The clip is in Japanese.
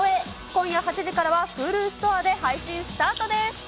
今夜８時からはＨｕｌｕストアで配信スタートです。